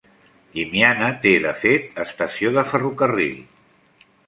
Llimiana té, de fet, estació de ferrocarril.